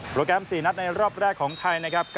แกรม๔นัดในรอบแรกของไทยนะครับ